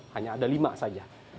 hanya ada lima saja